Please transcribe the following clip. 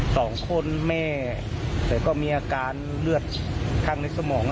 สองคนแม่แต่ก็มีอาการเลือดข้างในสมอง